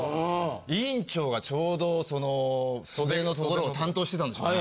委員長がちょうど袖の所を担当してたんでしょうね。